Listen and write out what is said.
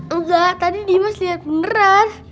enggak tadi dimas lihat beneran